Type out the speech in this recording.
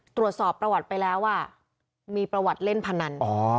ตรวจสอบประวัติไปแล้วมีประวัติเล่นพนัน